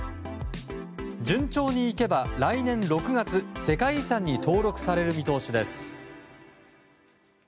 順調にいけば、来年６月世界遺産に登録される見通しです。